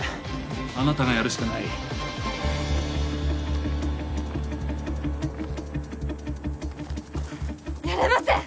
あなたがやるしかないやれません！